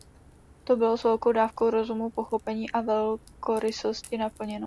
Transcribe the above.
To bylo s velkou dávkou rozumu, pochopení a velkorysosti naplněno.